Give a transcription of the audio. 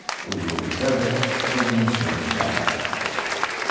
We will reserve it for the ensuing chapter.